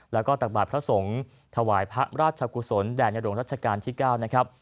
แล้วก็ตักบาทพระสงฆ์ถวายพระราชกุศลแด่ในหลวงรัชกาลที่๙นะครับ